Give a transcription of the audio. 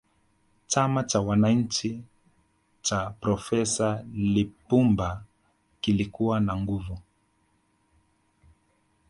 chama cha wananchi cha profesa lipumba kilikuwa na nguvu